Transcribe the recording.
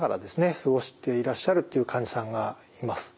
過ごしていらっしゃるっていう患者さんがいます。